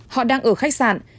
họ đang ở khách sạn